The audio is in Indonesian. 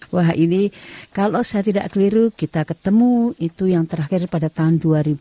wah ini kalau saya tidak keliru kita ketemu itu yang terakhir pada tahun dua ribu dua